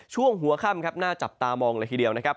ช่วงหัวค่ำครับน่าจับตามองเลยทีเดียวนะครับ